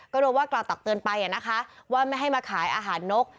ก็โดนว่ากล่าวตักเตือนไปนะคะว่าไม่ให้มาขายอาหารนก